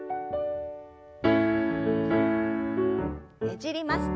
ねじります。